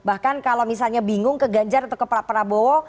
bahkan kalau misalnya bingung ke ganjar atau ke pak prabowo